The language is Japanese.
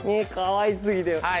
かわいすぎて。